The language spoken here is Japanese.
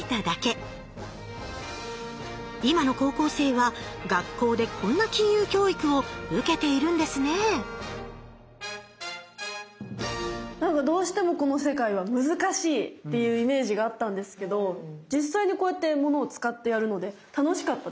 今の高校生は学校でこんな金融教育を受けているんですねなんかどうしてもこの世界は難しいっていうイメージがあったんですけど実際にこうやって物を使ってやるので楽しかったです。